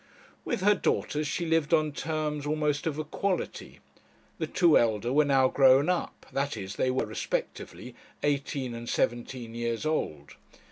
With her daughters she lived on terms almost of equality. The two elder were now grown up; that is, they were respectively eighteen and seventeen years old.